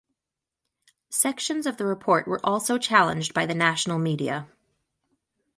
Sections of the report were also challenged by the national media.